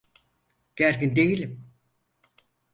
Gergin değilim.